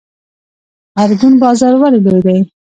ارګون بازار ولې لوی دی؟